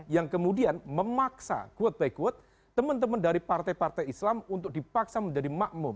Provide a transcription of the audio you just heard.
yang kemudian memaksa quote by quote teman teman dari partai partai islam untuk dipaksa menjadi makmum